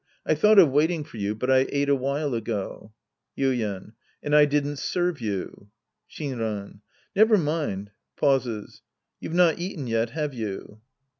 I thought of wait ing for you, but I ate a wliile ago. Yuien. And I didn't serve you. Shinran, Never mind. (Pauses.) You've not eaten yet, have you